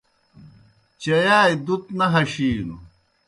چیائے دُت نہ ہشِینوْ